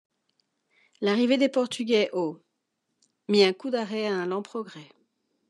L'arrivée des Portugais au mit un coup d'arrêt à un lent progrès.